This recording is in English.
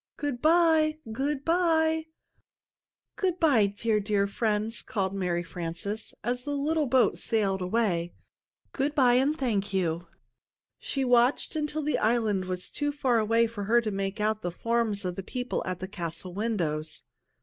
Good by! Good by!" "Good by, dear, dear friends!" called Mary Frances, as the little boat sailed away. "Good by, and thank you!" She watched until the island was too far away for her to make out the forms of the people at the castle windows.